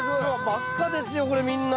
真っ赤ですよこれみんな。